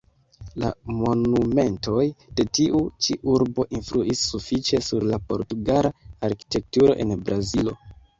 La monumentoj de tiu ĉi urbo influis sufiĉe sur la portugala arkitekturo en Brazilo.